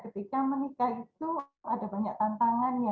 ketika menikah itu ada banyak tantangannya